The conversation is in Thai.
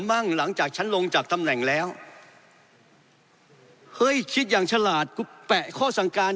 มั่งหลังจากฉันลงจากตำแหน่งแล้วเฮ้ยคิดอย่างฉลาดกูแปะข้อสั่งการ